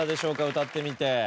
歌ってみて。